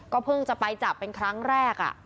เพิ่งจะไปจับเป็นครั้งแรก